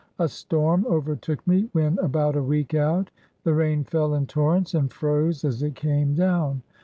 A storm overtook me when about a week out. The rain fell in torrents, and froze as it came down.